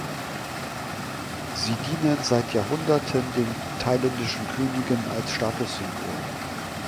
Sie dienen seit Jahrhunderten den thailändischen Königen als Statussymbol.